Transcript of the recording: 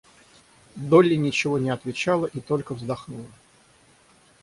Долли ничего не отвечала и только вздохнула.